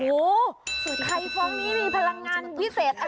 โอ้โหไข่ฟองนี้มีพลังงานวิเศษอะไรครับ